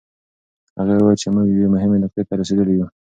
هغې وویل چې موږ یوې مهمې نقطې ته رسېدلي یوو.